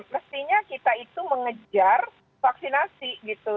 mestinya kita itu mengejar vaksinasi gitu